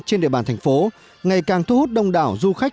trên địa bàn thành phố ngày càng thu hút đông đảo du khách